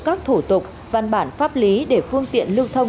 các thủ tục văn bản pháp lý để phương tiện lưu thông